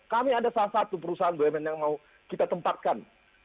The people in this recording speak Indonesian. kami ada salah satu perusahaan bumn yang mau kita tempatkan